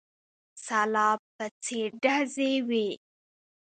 سلاب په څېر ډزې وې.